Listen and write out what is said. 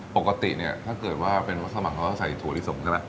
ปกติเนี่ยถ้าเกิดว่าเป็นวัสดิ์สมัครเขาก็ใส่ถั่วลิสมก็ได้